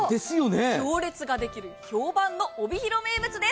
行列ができる評判の帯広名物です。